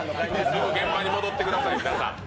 すぐ現場に戻ってください。